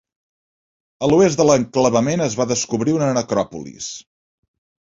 A l'oest de l'enclavament es va descobrir una necròpolis.